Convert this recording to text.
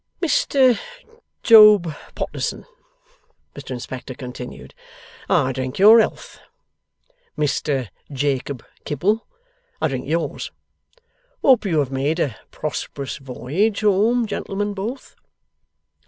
'Mr Job Potterson,' Mr Inspector continued, 'I drink your health. Mr Jacob Kibble, I drink yours. Hope you have made a prosperous voyage home, gentlemen both.